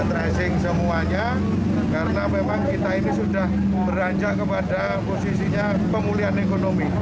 tracing semuanya karena memang kita ini sudah beranjak kepada posisinya pemulihan ekonomi